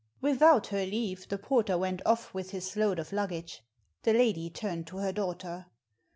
Without her leave the porter went off with his load of luggage. The lady turned to her daughter.